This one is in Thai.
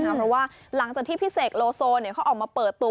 เพราะว่าหลังจากที่พี่เสกโลโซเขาออกมาเปิดตัว